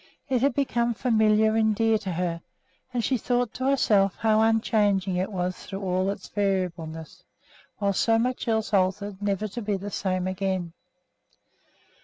It had become familiar and dear to her, and she thought to herself how unchanging it was through all its variableness, while so much else altered never to be the same again.